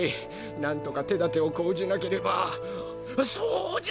なんとか手立てを講じなければそうじゃ！